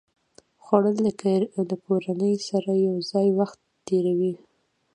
خوړل د کورنۍ سره یو ځای وخت تېروي